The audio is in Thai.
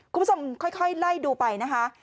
คุณผู้ชมค่อยไล่ดูไปนะคะ